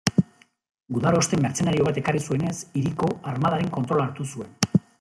Gudaroste mertzenario bat ekarri zuenez hiriko armadaren kontrola hartu zuen.